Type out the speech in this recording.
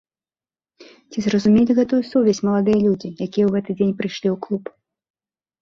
Ці зразумелі гэтую сувязь маладыя людзі, якія ў гэты дзень прыйшлі ў клуб?